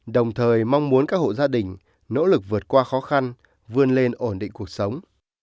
đồng thời mong muốn các hộ gia đình nỗ lực vượt qua khó khăn vươn lên ổn định cuộc sống